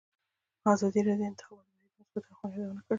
ازادي راډیو د د انتخاباتو بهیر د مثبتو اړخونو یادونه کړې.